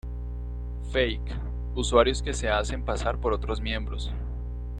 Fake: usuarios que se hacen pasar por otros miembros.